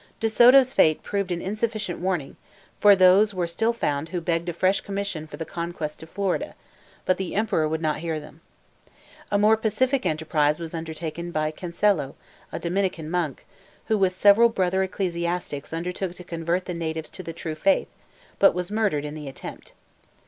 De Soto's fate proved an insufficient warning, for those were still found who begged a fresh commission for the conquest of Florida; but the Emperor would not hear them. A more pacific enterprise was undertaken by Cancello, a Dominican monk, who with several brother ecclesiastics undertook to convert the natives to the true faith, but was murdered in the attempt.